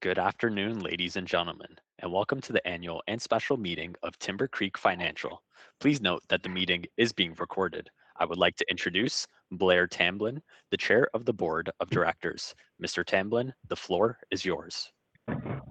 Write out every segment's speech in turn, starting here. Good afternoon, ladies and gentlemen, welcome to the Annual and Special Meeting of Timbercreek Financial. Please note that the meeting is being recorded. I would like to introduce Blair Tamblyn, the Chair of the Board of Directors. Mr. Tamblyn, the floor is yours. Thank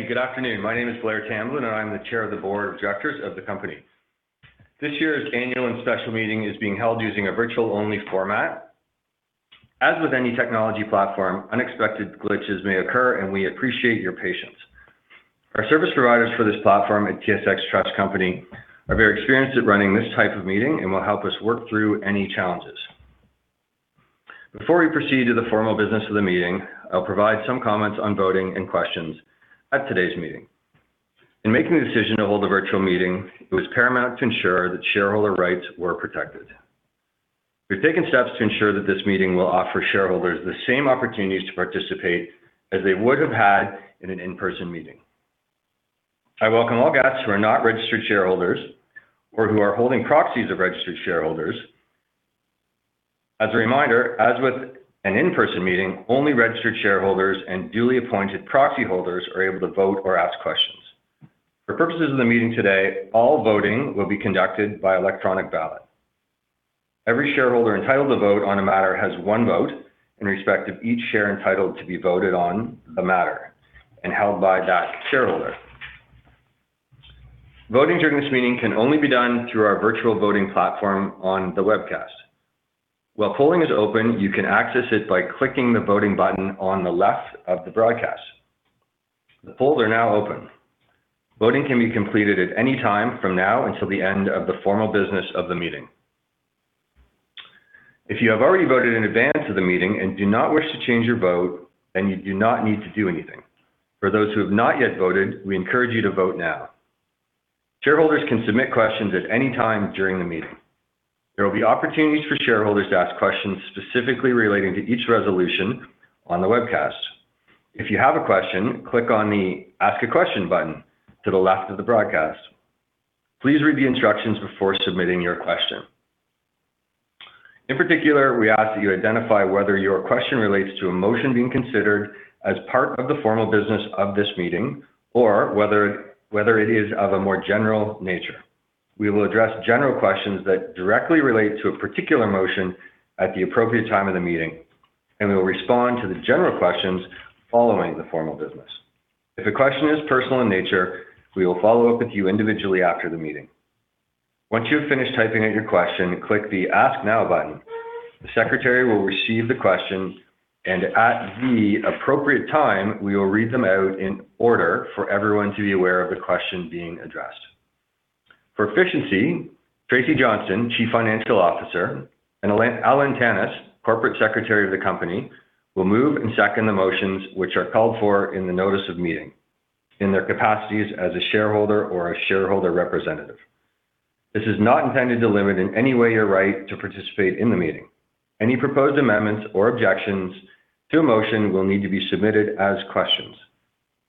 you. Good afternoon. My name is Blair Tamblyn, and I'm the Chair of the Board of Directors of the company. This year's Annual and Special Meeting is being held using a virtual-only format. As with any technology platform, unexpected glitches may occur, and we appreciate your patience. Our service providers for this platform at TSX Trust Company are very experienced at running this type of meeting and will help us work through any challenges. Before we proceed to the formal business of the meeting, I'll provide some comments on voting and questions at today's meeting. In making the decision to hold a virtual meeting, it was paramount to ensure that shareholder rights were protected. We've taken steps to ensure that this meeting will offer shareholders the same opportunities to participate as they would have had in an in-person meeting. I welcome all guests who are not registered shareholders or who are holding proxies of registered shareholders. As a reminder, as with an in-person meeting, only registered shareholders and duly appointed proxy holders are able to vote or ask questions. For purposes of the meeting today, all voting will be conducted by electronic ballot. Every shareholder entitled to vote on a matter has one vote in respect of each share entitled to be voted on the matter and held by that shareholder. Voting during this meeting can only be done through our virtual voting platform on the webcast. While polling is open, you can access it by clicking the Voting button on the left of the broadcast. The polls are now open. Voting can be completed at any time from now until the end of the formal business of the meeting. If you have already voted in advance of the meeting and do not wish to change your vote, you do not need to do anything. For those who have not yet voted, we encourage you to vote now. Shareholders can submit questions at any time during the meeting. There will be opportunities for shareholders to ask questions specifically relating to each resolution on the webcast. If you have a question, click on the Ask a Question button to the left of the broadcast. Please read the instructions before submitting your question. In particular, we ask that you identify whether your question relates to a motion being considered as part of the formal business of this meeting, or whether it is of a more general nature. We will address general questions that directly relate to a particular motion at the appropriate time of the meeting, and we will respond to the general questions following the formal business. If a question is personal in nature, we will follow up with you individually after the meeting. Once you have finished typing out your question, click the Ask Now button. The Secretary will receive the question, and at the appropriate time, we will read them out in order for everyone to be aware of the question being addressed. For efficiency, Tracy Johnston, Chief Financial Officer, and Ellen Tannous, Corporate Secretary of the company, will move and second the motions which are called for in the notice of meeting in their capacities as a shareholder or a shareholder representative. This is not intended to limit in any way your right to participate in the meeting. Any proposed amendments or objections to a motion will need to be submitted as questions.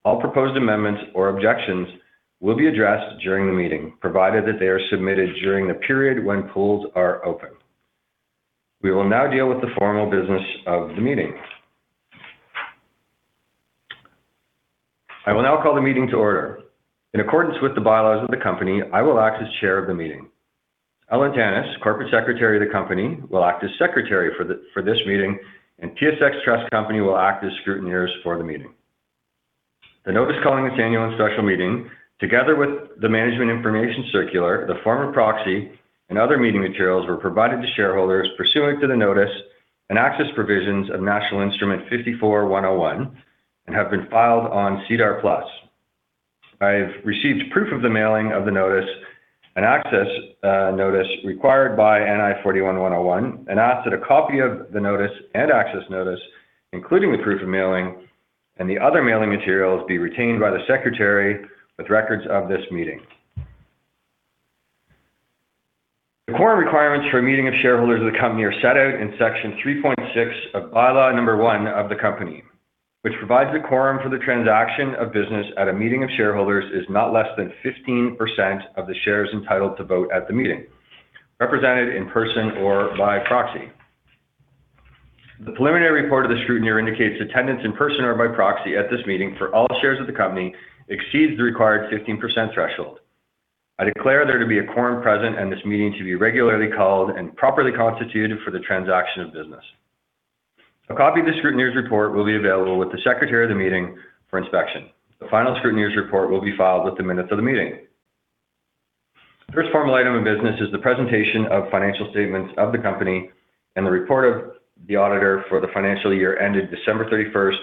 All proposed amendments or objections will be addressed during the meeting, provided that they are submitted during the period when polls are open. We will now deal with the formal business of the meeting. I will now call the meeting to order. In accordance with the bylaws of the company, I will act as Chair of the meeting. Ellen Tannous, Corporate Secretary of the company, will act as secretary for this meeting, and TSX Trust Company will act as scrutineers for the meeting. The notice calling this Annual and Special Meeting, together with the management information circular, the form of proxy, and other meeting materials, were provided to shareholders pursuant to the notice and access provisions of National Instrument 54-101 and have been filed on SEDAR+. I have received proof of the mailing of the notice and access notice required by NI 54-101 and ask that a copy of the notice and access notice, including the proof of mailing and the other mailing materials, be retained by the secretary with records of this meeting. The quorum requirements for a meeting of shareholders of the company are set out in Section 3.6 of Bylaw No. one of the company, which provides the quorum for the transaction of business at a meeting of shareholders is not less than 15% of the shares entitled to vote at the meeting, represented in person or by proxy. The preliminary report of the scrutineer indicates attendance in person or by proxy at this meeting for all shares of the company exceeds the required 15% threshold. I declare there to be a quorum present and this meeting to be regularly called and properly constituted for the transaction of business. A copy of the scrutineer's report will be available with the secretary of the meeting for inspection. The final scrutineer's report will be filed with the minutes of the meeting. The first formal item of business is the presentation of financial statements of the company and the report of the auditor for the financial year ended December 31st,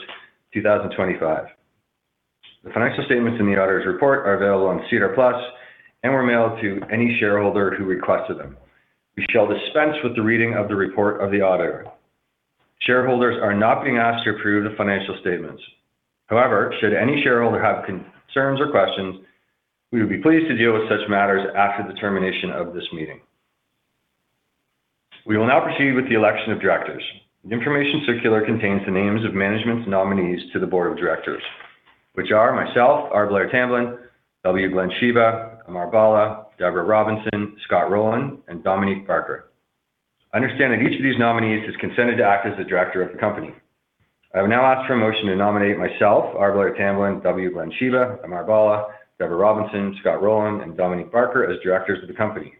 2025. The financial statements in the auditor's report are available on SEDAR+ and were mailed to any shareholder who requested them. We shall dispense with the reading of the report of the auditor. Shareholders are not being asked to approve the financial statements. Should any shareholder have concerns or questions, we would be pleased to deal with such matters after the termination of this meeting. We will now proceed with the election of Directors. The information circular contains the names of management's nominees to the Board of Directors, which are myself, R. Blair Tamblyn, W. Glenn Shyba, Amar Bhalla, Deborah Robinson, Scott Rowland, and Dominique Barker. Understand that each of these nominees has consented to act as a Director of the company. I will now ask for a motion to nominate myself, R. Blair Tamblyn, W. Glenn Shyba, Amar Bhalla, Deborah Robinson, Scott Rowland, and Dominique Barker as Directors of the company.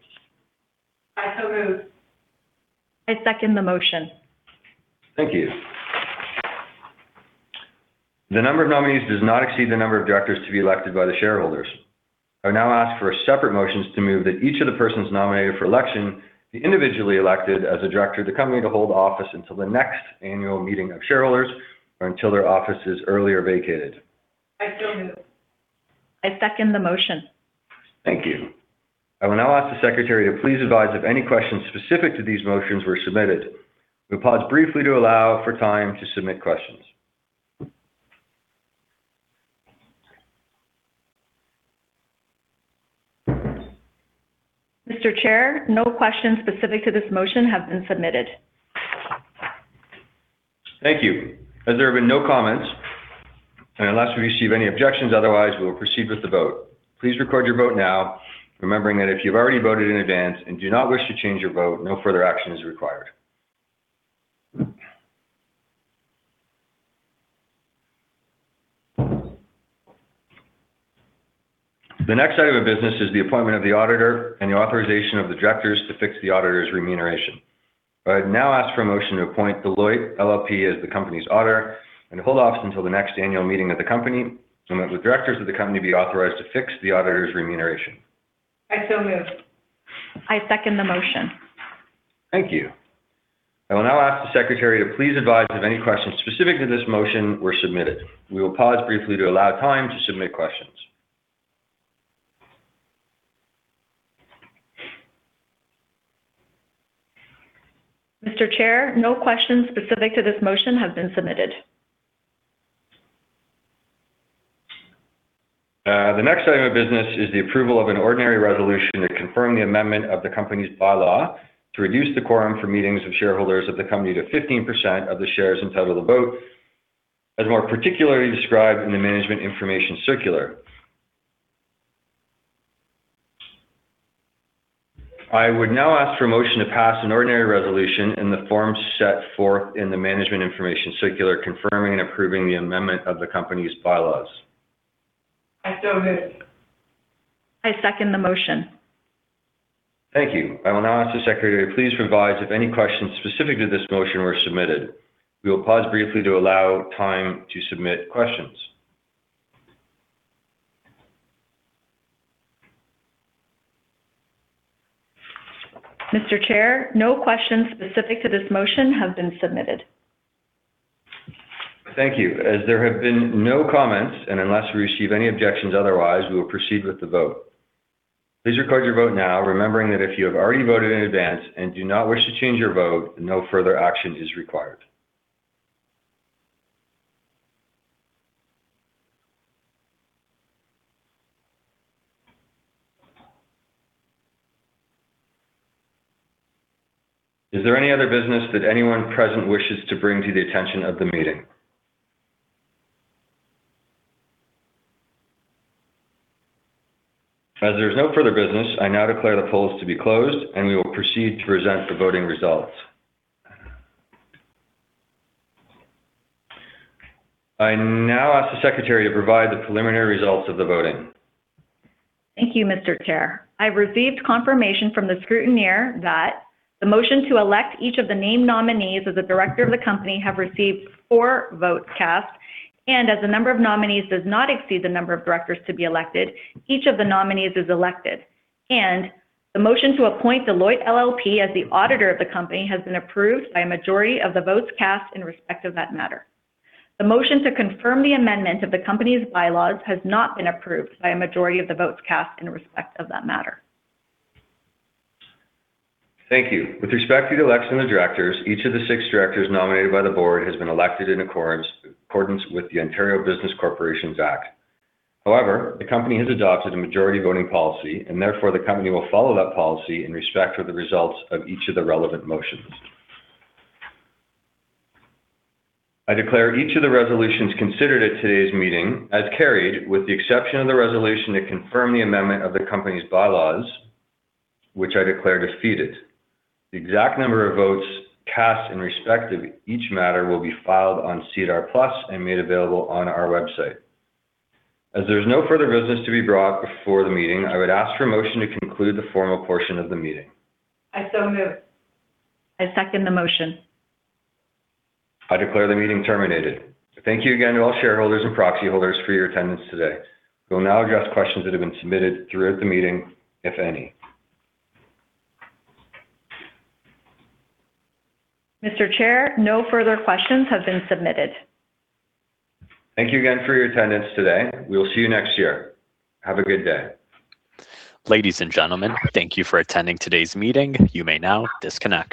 I will. I second the motion. Thank you. The number of nominees does not exceed the number of Directors to be elected by the shareholders. I will now ask for separate motions to move that each of the persons nominated for election be individually elected as a director of the company to hold office until the next annual meeting of shareholders or until their office is earlier vacated. I so move. I second the motion. Thank you. I will now ask the secretary to please advise if any questions specific to these motions were submitted. We will pause briefly to allow for time to submit questions. Mr. Chair, no questions specific to this motion have been submitted. Thank you. As there have been no comments, and unless we receive any objections otherwise, we will proceed with the vote. Please record your vote now, remembering that if you've already voted in advance and do not wish to change your vote, no further action is required. The next item of business is the appointment of the auditor and the authorization of the Directors to fix the auditor's remuneration. I would now ask for a motion to appoint Deloitte LLP as the company's auditor and to hold office until the next annual meeting of the company, and that the Directors of the company be authorized to fix the auditor's remuneration. I so move. I second the motion. Thank you. I will now ask the secretary to please advise if any questions specific to this motion were submitted. We will pause briefly to allow time to submit questions. Mr. Chair, no questions specific to this motion have been submitted. The next item of business is the approval of an ordinary resolution to confirm the amendment of the company's bylaw to reduce the quorum for meetings of shareholders of the company to 15% of the shares entitled to vote, as more particularly described in the management information circular. I would now ask for a motion to pass an ordinary resolution in the form set forth in the management information circular confirming and approving the amendment of the company's bylaws. I so move. I second the motion. Thank you. I will now ask the secretary to please advise if any questions specific to this motion were submitted. We will pause briefly to allow time to submit questions. Mr. Chair, no questions specific to this motion have been submitted. Thank you. As there have been no comments, and unless we receive any objections otherwise, we will proceed with the vote. Please record your vote now, remembering that if you have already voted in advance and do not wish to change your vote, no further action is required. Is there any other business that anyone present wishes to bring to the attention of the meeting? As there's no further business, I now declare the polls to be closed, and we will proceed to present the voting results. I now ask the secretary to provide the preliminary results of the voting. Thank you, Mr. Chair. I've received confirmation from the scrutineer that the motion to elect each of the named nominees as a director of the company have received four votes cast, and as the number of nominees does not exceed the number of Directors to be elected, each of the nominees is elected. The motion to appoint Deloitte LLP as the auditor of the company has been approved by a majority of the votes cast in respect of that matter. The motion to confirm the amendment of the company's bylaws has not been approved by a majority of the votes cast in respect of that matter. Thank you. With respect to the election of Directors, each of the six Directors nominated by the board has been elected in accordance with the Ontario Business Corporations Act. The company has adopted a majority voting policy, and therefore the company will follow that policy in respect of the results of each of the relevant motions. I declare each of the resolutions considered at today's meeting as carried with the exception of the resolution to confirm the amendment of the company's bylaws, which I declare defeated. The exact number of votes cast in respect of each matter will be filed on SEDAR+ and made available on our website. There's no further business to be brought before the meeting, I would ask for a motion to conclude the formal portion of the meeting. I so move. I second the motion. I declare the meeting terminated. Thank you again to all shareholders and proxy holders for your attendance today. We will now address questions that have been submitted throughout the meeting, if any. Mr. Chair, no further questions have been submitted. Thank you again for your attendance today. We will see you next year. Have a good day. Ladies and gentlemen, thank you for attending today's meeting. You may now disconnect.